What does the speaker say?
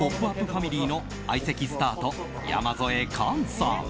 ファミリーの相席スタート、山添寛さん。